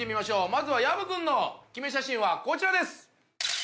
まずは薮君のキメ写真はこちらです！